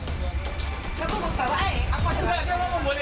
aku mau bawa eh